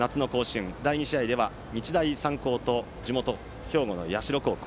第２試合では日大三高と地元・兵庫の社高校。